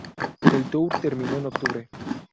El tour terminó en octubre.